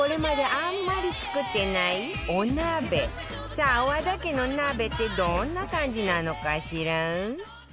さあ和田家の鍋ってどんな感じなのかしら？